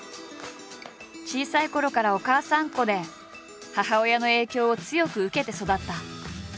小さいころからお母さんっ子で母親の影響を強く受けて育った。